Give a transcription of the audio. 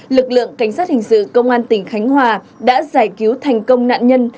lực lượng cảnh sát hình sự công an tỉnh khánh hòa đã giải cứu thành công nạn nhân